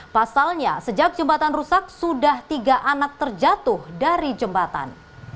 pasalnya sejak jembatan rusak sudah tiga anak terjatuh dari jembatan